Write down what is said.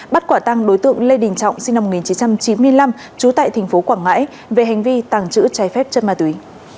bắt quả tăng đối tượng lê đình trọng sinh năm một nghìn chín trăm chín mươi năm trú tại tp quảng ngãi về hành vi tàng trữ trái phép chất ma túy